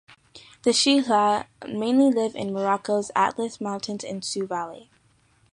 The Shilha mainly live in Morocco's Atlas Mountains and Sous Valley.